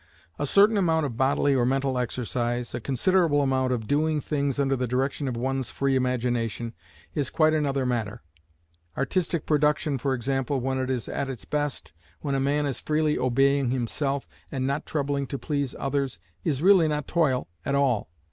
A certain amount of bodily or mental exercise, a considerable amount of doing things under the direction of one's free imagination is quite another matter. Artistic production, for example, when it is at its best, when a man is freely obeying himself, and not troubling to please others, is really not toil at all.